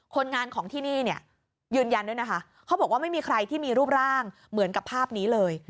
คนงานของที่นี่เนี่ยยืนยันด้วยนะคะเขาบอกว่าไม่มีใครที่มีรูปร่างเหมือนกับภาพนี้เลย